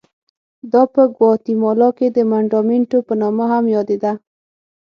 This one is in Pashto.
دا په ګواتیمالا کې د منډامینټو په نامه هم یادېده.